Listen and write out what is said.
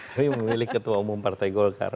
tapi memilih ketua umum partai golkar